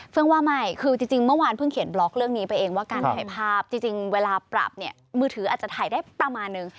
ว่าไม่คือจริงเมื่อวานเพิ่งเขียนบล็อกเรื่องนี้ไปเองว่าการถ่ายภาพจริงเวลาปรับเนี่ยมือถืออาจจะถ่ายได้ประมาณนึง